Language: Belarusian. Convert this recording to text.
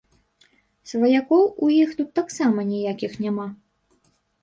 Сваякоў у іх тут таксама ніякіх няма.